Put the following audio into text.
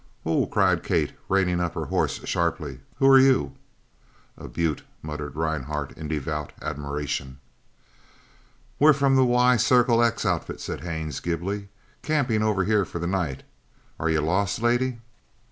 "Oh!" cried Kate, reining up her horse sharply. "Who are you?" "A beaut!" muttered Rhinehart in devout admiration. "We're from the Y Circle X outfit," said Haines glibly, "camping over here for the night. Are you lost, lady?"